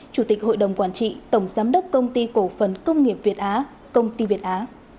chủ tịch hội đồng quản trị tổng giám đốc công ty cổ phần công nghiệp việt á công ty việt á